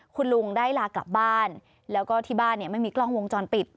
คุณลุงได้ลากลับบ้านแล้วก็ที่บ้านเนี่ยไม่มีกล้องวงจรปิด